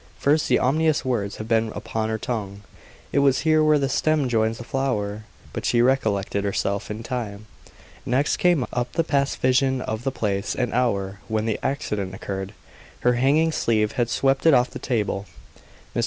First, the ominous words had been upon her tongue. "It was here where the stem joins the flower;" but she recollected herself in time. Next came up the past vision of the place and hour when the accident occurred. Her hanging sleeve had swept it off the table. Mr.